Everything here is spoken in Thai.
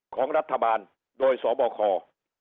ของรัฐบาลโดยสวบคอร์